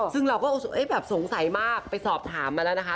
ซึ่งเราก็แบบสงสัยมากไปสอบถามมาแล้วนะคะ